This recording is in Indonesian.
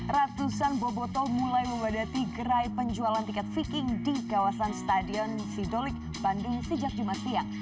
ratusan boboto mulai membadati gerai penjualan tiket viking di kawasan stadion sidolik bandung sejak jumat siang